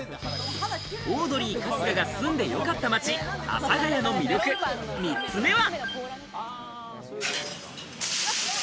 オードリー・春日が住んでよかった町、阿佐ヶ谷の魅力３つ目は。